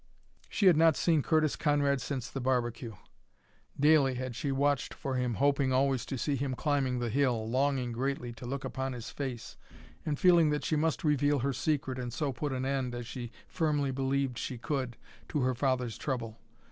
She had not seen Curtis Conrad since the barbecue. Daily had she watched for him, hoping always to see him climbing the hill, longing greatly to look upon his face, and feeling that she must reveal her secret and so put an end, as she firmly believed she could, to her father's trouble.